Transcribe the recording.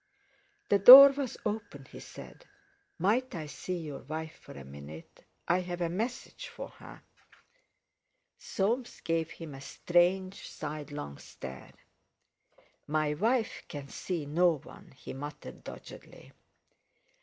"The door was open," he said. "Might I see your wife for a minute, I have a message for her?" Soames gave him a strange, sidelong stare. "My wife can see no one," he muttered doggedly.